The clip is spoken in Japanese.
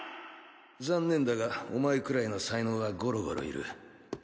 残念だがお前くらいの才能はゴロゴロいる。